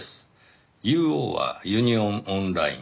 ＵＯはユニオンオンライン。